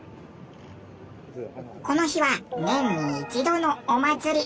この日は年に１度のお祭り。